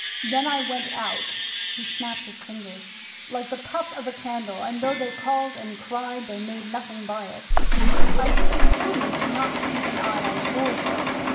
Then I went out' he snapped his fingers 'like the puff of a candle, and though they called and cried, they made nothing by it. I didn't promise not to keep an eye on the Boy, though.